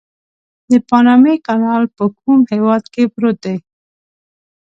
د پانامي کانال په کوم هېواد کې پروت دی؟